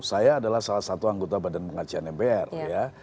saya adalah salah satu anggota badan pengajian mpr ya